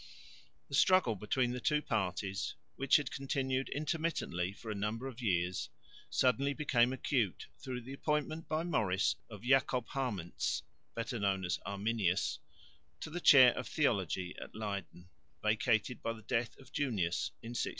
The struggle between the two parties, which had continued intermittently for a number of years, suddenly became acute through the appointment by Maurice of Jacob Harmensz, better known as Arminius, to the Chair of Theology at Leyden, vacated by the death of Junius in 1602.